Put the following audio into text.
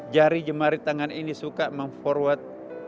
jari jemari tangan ini suka memforwad